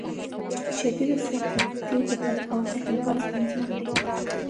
شدید سر درد د بدن او ذهن لپاره ستونزمن دی.